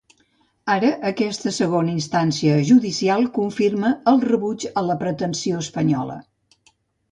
Ara aquesta segona instància judicial confirma el rebuig a la pretensió espanyola.